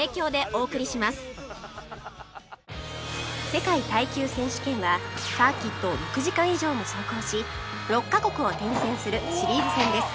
世界耐久選手権はサーキットを６時間以上も走行し６カ国を転戦するシリーズ戦です